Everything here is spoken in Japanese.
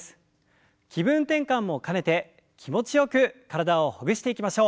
気分転換も兼ねて気持ちよく体をほぐしていきましょう。